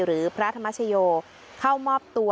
หรือพระธรรมชโยเข้ามอบตัว